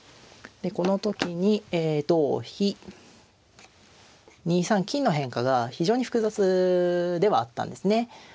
でこの時に同飛２三金の変化が非常に複雑ではあったんですね。